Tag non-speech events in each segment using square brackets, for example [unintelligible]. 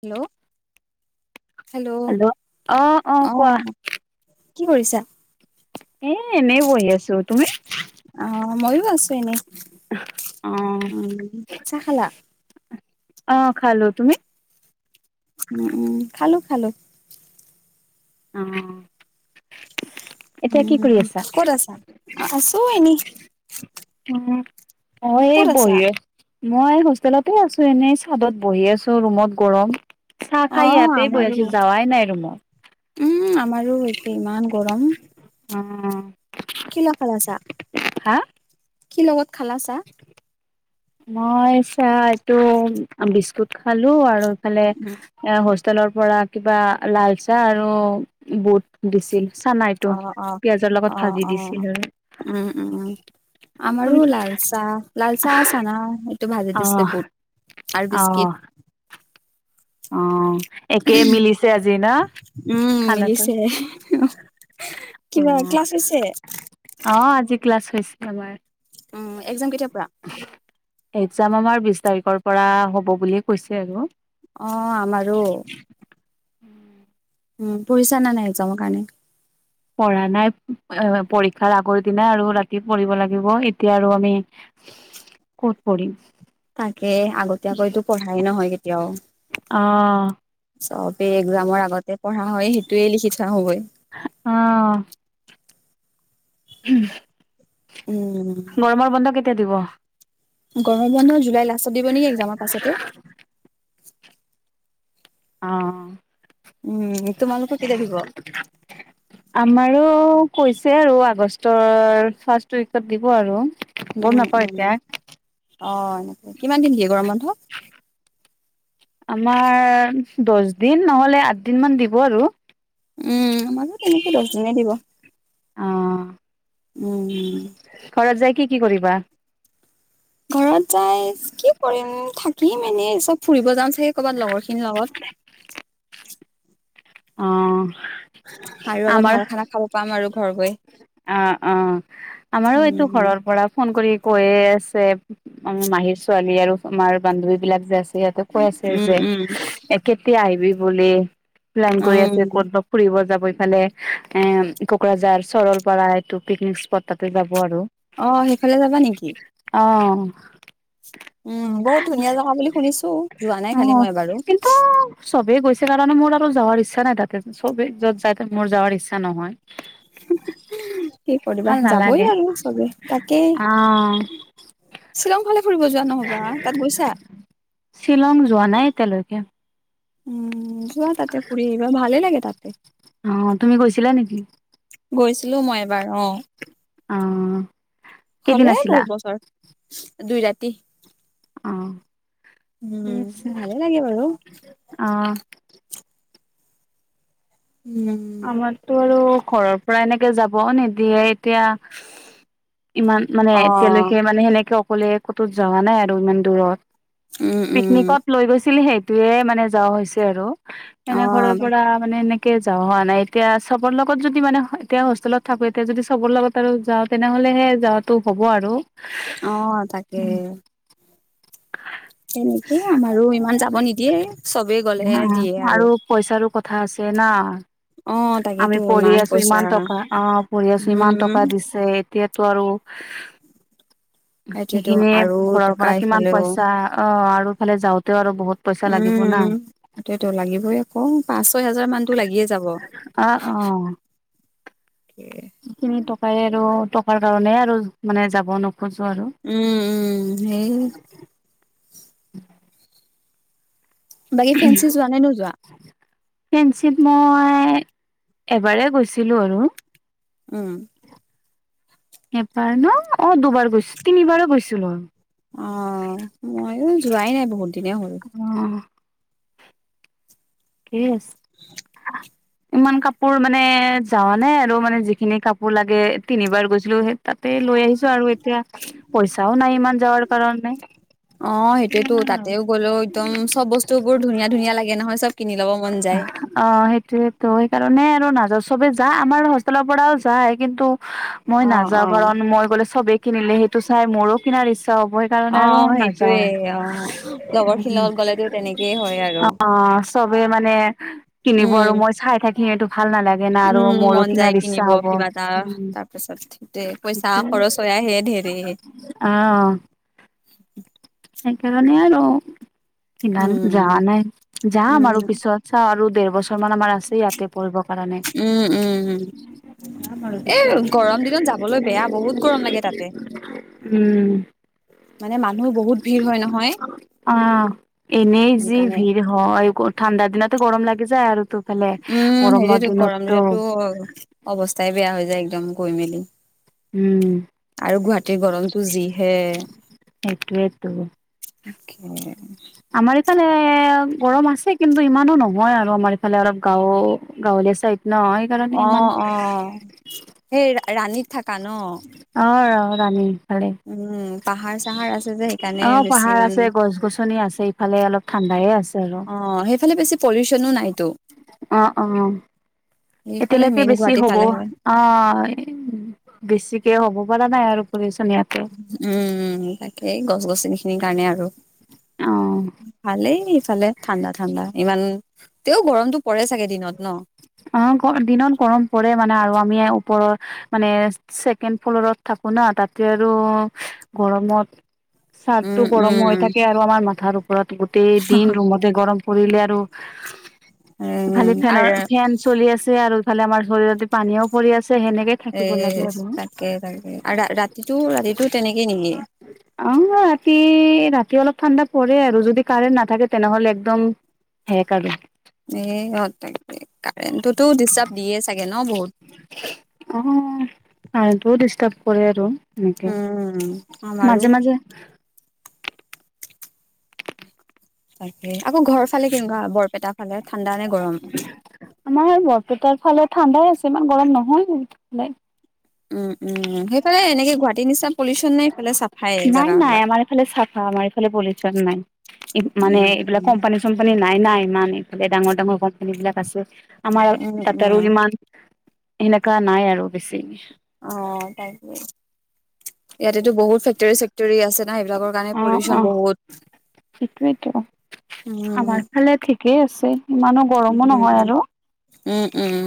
Hello hello অ। কি কৰিছাঁ? এই এনে বহি আছোঁ। অ' ময়ো আছোঁ এনে। অ উম, চাহ খালা? অ' খালো তুমি? উম, উম খালো, খালো। উম, এতিয়া কি কৰি আছা? আ-আছোঁ এনে। উম, মই এই ক'ত আছা বহি আছ মই হোষ্টেলতে আছোঁ এনেই চাদত বহি আছোঁ ৰুমত গৰম। চাহ অ খাই ইয়াতেই বৈ আমাৰো আছোঁ যাৱাই নাই ৰুমত। উম, আমাৰ আৰু একে ইমান গৰম। অ', কি [unintelligible] খালা চাহ, হা কি লগত খালা চাহ? মই চাহ এইটো বিস্কুট খালো, আৰু ইফালে উম এ, হোষ্টেলৰ পৰা কিবা লাল চাহ আৰু বুট দিছিল। চানা এইটো অ অ পিয়াজৰ অ লগত ভাজি অ দিছিল। উম উম আমাৰো তুমি কি লালচাহ-লালচাহ, চানা টো ভাজি অ দিছিলে বুত আৰু অ বিস্কিট। অ, একেই মিলিছে আজি ন, উম খানাটো। মিলিছে অ কিবা ক্লাছ হৈছে? অ, আজি ক্লাছ হৈছে আমাৰ। উম, এক্সাম কেতিয়াৰ পৰা? এক্সাম আমাৰ বিশ তাৰিখৰ পৰা হ'ব বুলিয়ে কৈছে আৰু। অ, আমাৰো। [inaudible] উম, পঢ়িছা নে নাই এক্সামৰ কাৰণে? পঢ়া নাই, পৰীক্ষাৰ আগৰ দিনা আৰু ৰাতি পঢ়িব লাগিব, এতিয়া আৰু আমি [inaudible] ক'ত পঢ়িম। তাকে, আগতীয়াকৈতো পঢ়াই নহয় কেতিয়াও। অ চবেই এক্সামৰ আগতে পঢ়া হয়, সেইটোৱে লিখি থৈয় আহো গৈ। অ। উম গৰমৰ বন্ধ কেতিয়া দিব? গৰম বন্ধ জুলাই লাষ্টত দিব নেকি, এক্সামৰ পাছতে। অ। উম, তোমালোকৰ কেতিয়া দিব? আমাৰো কৈছে আৰু, আগষ্টৰ ফাৰ্ষ্ট উইকত দিব আৰু। গম উম, নাপাওঁ উম, এতিয়া অঁ, কিমান দিন দিয়ে গৰম বন্ধ? আমাৰ দহ দিন, নহ'লে আঠ দিন মান দিব আৰু। উম, আমাৰো তেনেকে দহ দিনেই দিব। অ। উম, উম। ঘৰত যাই কি কি কৰিবা? ঘৰত যাই কি কৰিম, থাকিম এনে, চব ফুৰিব যাম চাগে ক'ৰবাত লগৰ খিনিৰ লগত। অ। আৰু অলপ আমাৰ ভাল খানা খাব পাম আৰু ঘৰ গৈ। অ, অ, আমাৰো উম এইটো ঘৰৰ পৰা ফোন কৰি কৈয়ে আছে, আমাৰ মাহীৰ ছোৱালী আৰু আমাৰ বান্ধৱী বিলাক যে আছে সিহঁতে কৈ আছে উম যে, উম এ কেতিয়া আহিবি বুলি, প্লেন কৰি আছে উম ক'ত ফুৰিব যাব, ইফালে এ কোকৰাঝাৰ, চৰলপাৰা এইটো পিকনিক স্পট তাতে যাব আৰু। অ, সেইফালে যাবা নেকি! অ। উম, বহুত ধুনীয়া জাগা বুলি শুনিছো, যোৱা নাই খালি অ', মই এবাৰো। কিন্তু চবেই গৈছে কাৰণে মোৰ আৰু যাৱাৰ ইচ্ছা নাই তাতে, চবে য'ত যায় মোৰ যাৱাৰ ইচ্ছা নহয়। কি কৰিবা, ভাল নালাগে যাবই আৰু চবে, তাকেই। অ', শ্বিলং ফালে ফুৰিব যোৱা নহ'বা! তাত গৈছা? শ্বিলং যোৱা নাই এতিয়ালৈকে উম, যোৱা তাতে ফুৰি আহিবা, ভালে লাগে তাতে। অ, তুমি গৈছিলা নেকি? গৈছিলো মই এবাৰ অ। অ কেইদিন হলে আছিলা? বহুত বছৰ, দুই ৰাতি। অ ঠিক উম, আছে ভালে লাগে বাৰু অ। উম। আমাকটো আৰু ঘৰৰ পৰা এনেকে যাব নিদিয়ে এতিয়া ইমান মানে অ', এতিয়ালৈকে মানে সেনেকে অকলে ক'তো যাৱা নাই আৰু ইমান দূৰত, উম, উম, পিকনিকত লৈ গৈছিলি সেইটোয়ে মানে যাৱা হৈছে আৰু, এনে ঘৰৰ অ', পৰা মানে এনেকে যাৱা হ মানে এতিয়া চবৰ লগত যদি মানে এতিয়া হোষ্টেলত থাকো এতিয়া যদি চবৰ লগত আৰু যাওঁ তেনেহ'লেহে যাওঁ টো হ'ব আৰু। অ তাকে। তেনেকে আমাৰো ইমান যাব নিদিয়ে চবেই গ'লে অ দিয়ে আৰু পইচাৰো কথা আছে না। অ', তাকেতো আমি পঢ়ি আছো পইচা ইমান টকা, অ পঢ়ি আছো ইমান উম, টকা দিছে এতিয়াতো আৰু, সেইটোৱেতো সেইখিনি আৰু ঘৰৰ টকা পৰা কিমান ইফালেও পইচা অ আৰুফালে যাওঁতেও আৰু বহুত পইচা লাগিব না। অ পাঁচ ছয় হাজাৰ মানতো লাগিয়ে যাব। অ অ সেইখিনি টকাই আৰু টকাৰ কাৰণে আৰু মানে যাব নোখোজো আৰু। উম উম সেই বাকী ফেঞ্চি যোৱা নে নোযোৱা? ফেঞ্চিত মই এবাৰে গৈছিলোঁ আৰু। উম। এবাৰ ন অ দুবাৰ গৈছো তিনিবাৰো গৈছিলো। অ মইয়ো যোৱাই নাই বহুত দিনে হ'ল। উম। কি [unintelligible] ইমান কাপোৰ মানে যাৱা নায় আৰু মানে যিখিনি কাপোৰ লাগে তিনিবাৰ গৈছিলো সেই তাতে লৈ আহিছো আৰু এতিয়া পইচাও নাই ইমান যাৱাৰ কাৰণে। অ সেইটোয়েতো তাতেও গলেও একদম টোবোৰ ধুনীয়া ধুনীয়া লাগে নহয় চব কিনি ল'ব মন যায়। অ সেইটোয়েতো সেইকাৰণে আৰু নাজও, চবে যায় আমাৰ হোষ্টেলৰ পৰাও যায় কিন্তু মই অ নাযাও অ কাৰণ মই গ'লে চবে কিনিলে সেইটো চাই মোৰো কিনাৰ ইচ্ছা হ'বই। তাৰ কাৰনে অ আৰু নাযাও, সেইটোয়ে অ লগৰখিনিৰ লগত গ'লেতো তেনেকেই হয় আৰু অ। চবে মানে কিনিব আৰু উম মই চাই থাকিম এইটো ভাল নালা উম মন যাই কিনিব কিবা এটা, উম তাৰপাছত সেইটোৱে পইচা সেইটোৱে খৰচ। [unintelligible] অ সেইকাৰণে আৰু ইমান যোৱা উম নাই যাম উম আৰু পিছত। চাওঁ আৰু দেৰ বছৰমান আমাৰ আছে ইয়াতে পঢ়িবৰ কাৰণে। উম [unintelligible] এই গৰম দিনত যাবলৈ বেয়া বহুত গৰম লাগে তাতে উম। মানে মানুহ বহুত ভিৰ হয় নহয় অ এনেই যি সেইকাৰণে ভিৰ। হ এই ঠাণ্ডা দিনতে গৰম লাগি যায় আৰু তো উম সেইটোৱেটো গৰম দিলেতো অৱস্থাই বেয়া হৈ যায় একদম গৈ মেলি। উম আৰু গুৱাহাটীৰ গৰমটো যিহে। সেইটোয়েতো [unintelligible] আমাৰ ইফালে গৰম আছে কিন্তু ইমানো নহয় আৰু আমাৰ ইফালে অলপ গাওঁ গাঁৱলীয়া চাইত ন। সেইকাৰণে অ ইমান অ সেই ৰাণীত থাকা ন? অ ৰ ৰাণী। ফালে উম পাহাৰ চাহাৰ আছে যে সেইকাৰণে অ বেছি পাহাৰ ইমান আছে গছ-গছনি আছে ইফালে অলপ ঠাণ্ডায়ে আছে আৰু অ সেইফালে বেছি পলিউচনো নাইতো অ অ। এইফালে এতিয়ালৈকে মেইন বেছি গুৱাহাটী হ'ব পালেহে অ বেছিকে হ'ব পৰা নাই আৰু পলিউচন ইয়াত। উম তাকেই গছ-গছনি খিনিৰ কাৰণে আৰু। অ ভালেই ইফালে ঠাণ্ডা ঠাণ্ডা ইমান তেও গৰমটো পৰে চাগে দিনত ন? অ দিনত গৰম পৰে মানে আৰু আমি ওপৰৰ মানে ছেকেণ্ড ফ্ল'ৰত থাকো না তাতে আৰু গৰমত চাৰ্টো উম গৰম হৈ উম থাকে আৰু আমাৰ মাথাৰ ওপৰত গোটেই দিন ৰুমতে গৰম পৰিলে আৰু এফালে উম ফেনৰ আৰু ফেন চলি আছে আৰু এফালে আমাৰ শৰীৰেদি পানীও পৰি আছে সেনেকে এ থাকিব লাগে আৰু তাকে তাকে আৰু ৰা-ৰাতিটো ৰাতিটো তেনেকে নেকি? অ ৰাতি ৰাতি অলপ ঠাণ্ডা পৰে আৰু যদি কাৰেণ্ট নাথাকে তেনেহ'লে একদম শেষ আৰু। এই হ তাকে, কাৰেণ্টটোতো ডিষ্টাৰ্ব দিয়ে চাগে ন বহুত? অ কাৰণ্টটোও ডিষ্টাৰ্ব কৰে আৰু। উম তেনেকে আমাৰো মাজে মাজে আকৌ ঘৰ ফালে কেনেকুৱা, বৰপেটা ফালে ঠাণ্ডা নে গৰম? আমাৰ বৰপেটাৰ ফালেৰ ঠাণ্ডাই আছে ইমান গৰম নহয় উম উম সেইফালে এনেকে গুৱাহাটী নিচনা পলিউচন নাই সেইফালে চফ নাই নাই আমাৰ এইফালে চাফা আমাৰ এইফালে পলিউচন নাই, মানে উম এইবিলাক উম কোম্পানী চোম্পানী নাই ইমান, ইফালে ডাঙৰ ডাঙৰ কোম্পানী বিলাক আছে, আমাৰ উম তাত আৰু উম ইমান সেনেকুৱা নাই আৰু বেছি। অ তাকে। ইয়াতেতো বহুত ফেক্টৰী-চেক্টৰী আছে না, সেইবিলাকৰ কাৰণে পলিউচন বহুত। সেইটো, উম আমাৰ ফালে কেই আছে ইমানো গৰমো উম, নহয় আৰু। উম উম।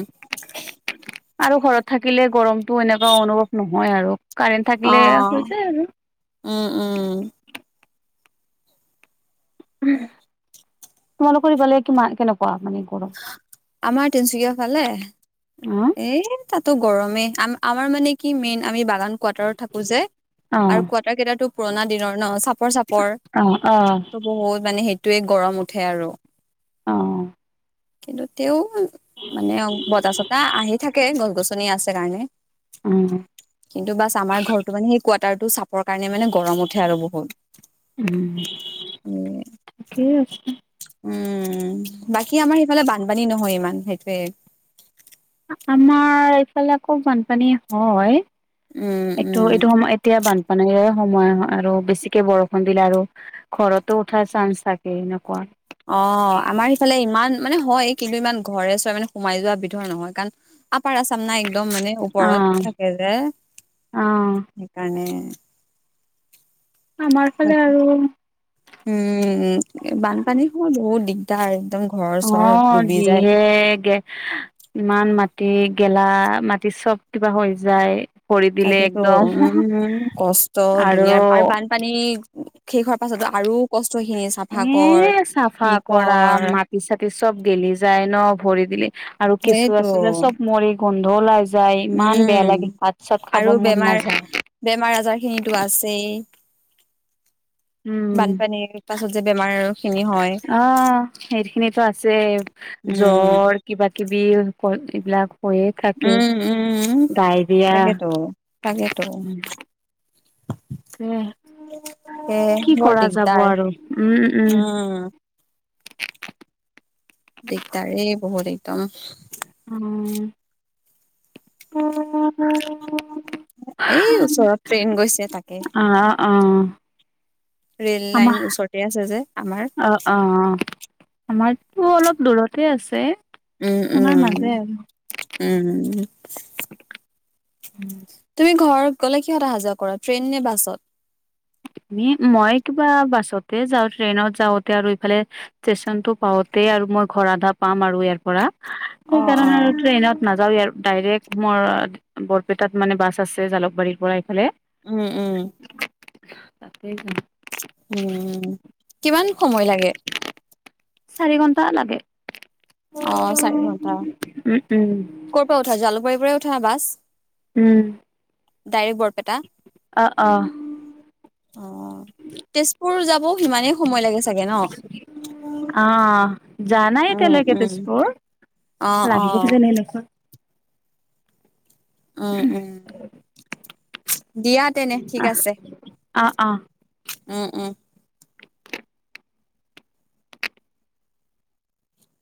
আৰু ঘৰত থাকিলে গৰমটো এনেকুৱা অনুভৱ নহয় আৰু, কাৰেণ্ট অ থাকিলে হৈ যায় আৰু। উম উম। তোমালোকৰ ইফালে কিমা কেনেকুৱা মানে গৰম? আমাৰ তিনচুকীয়া ফালে? অ'। এ তাতো গৰমেই, আ-আমাৰ মানে কি মেইন আমি বাগান কোৱাৰ্টাৰত থাকো যে, অ' আৰু কোৱাটাৰ কেইটাটো পুৰণা দিনৰ ন চাপৰ চাপৰ অ' বহুত মানে সেইটোৱে গৰম উঠে আৰু, অ' অ' কিন্তু তেওঁ মানে বতাহ-চতাহ আহি থাকে গছ-গছনি আছে কাৰণে। অ' কিন্তু বাছ আমাৰ ঘৰটো মানে সেই কোৱাটাৰটো চাপৰ কাৰণে মানে গৰম উঠে আৰু বহুত। উ উম ঠিকে আছে। উম, বাকী আমাৰ সেইফালে বানপানী নহয় ইমান সেইটোৱে। আমাৰ এইফালে আকৌ বানপানী হয়, উম, এইটো উম, এইটো সময় এতিয়া বানপানীৰে সময় আৰু বেছিকে বৰষুণ দিলে আৰু ঘৰত টো উঠাৰ চান্স থাকে এনেকুৱা। অঁ আমাৰ সিফালে ইমান মানে হয় কিন্তু ইমান ঘৰে চৰে মানে সোমাই যোৱা বিধৰ নহয়। কাৰণ আপাৰ আচাম না একদম মানে ওপৰত অ', থাকে যে অ', সেইকাৰণে। অমাৰ ফালে আৰু উম, বানপানী সময়ত বহুত দিগদাৰ একদম ঘৰ চৰ ডুবি যায়। এ কে ইমান মাটি গেলা মাটি চব কিবা হৈ যায়। ভৰি দিলে তাকেতো একদম উম উম কষ্ট দুনীয়াৰ, আৰু বানপানী শেষ হোৱাৰ পাছতো আৰু কষ্ট খিনি এ চাফা কৰ চাফা কি কৰা কৰ মাটি চাটি চব গেলি যায় ন ভৰি দিলে, আৰু কেঁচু সেইটো আছিলে চব মৰি গোন্ধ ওলাই যায়, ইমান বেয়া উম, লাগে ভাত চাত খাব আৰু মন বেমাৰ নাযায়! বেমাৰ আজাৰ খিনিটো আছেই। উম বানপানীৰ পাছত যে বেমাৰ খিনি হয়। অ উম। ঘৰ কিবা কিবি এইবিলাক হয়ে থাকে উম উম ডায়েৰিয়া তাকেতো তাকেতো কে এ কি কৰা যাব আৰু! উম' উম'। অঁ। দিগদাৰে বহুত একদম! উম। এই ওচৰত ট্ৰেইন গৈছে তাকে। অঁ অঁ। ৰে'ল লাইন ওচৰতে আছে যে আমাৰ। অঁ আমাৰতো অলপ দূৰতে আছে, উম শুনা উম নাযায় আৰু। উম'। তুমি ঘৰত গ'লে কিহত অহা যোৱা কৰা ট্ৰেইন নে বাছত? মই কিবা বাছতে যাওঁ ট্ৰেইনত যাওঁতে আৰু ইফালে ষ্টেচনটো পাওঁতে আৰু মই ঘৰ আধা পাম আৰু ইয়াৰ পৰা। অ অ সেইকাৰণে আৰু ট্ৰেইনত নাযাওৱেই আৰ ডাইৰেক্ট মোৰ বৰপেটাত মানে বাছ আছে জালুকবাৰীৰ পৰা এইফালে। উম' উম। তাকেইতো। উম উম, কিমান সময় লাগে? চাৰি ঘন্টা লাগে। অ চাৰি ঘন্টা উম উম। ক'ৰ পৰা উঠা জালুকবাৰীৰ পৰাই উঠা বাছ? উম। ডাইৰেক্ট বৰপেটা? অঁ অঁহ। অঁ, তেজপুৰ যাবও সিমানেই সময় লাগে চাগে ন? অঁহ, যোৱা নাই উম এতিয়ালৈকে উম তেজপুৰ। অ অ লাগিল যেন এনেকুৱা উম' উম'। দিয়া তেনে ঠিক আহ আছে। অ' অ'। উম' উম'।